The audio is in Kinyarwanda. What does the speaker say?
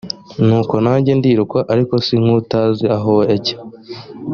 nuko nanjye ndiruka ariko si nk utazi aho ajya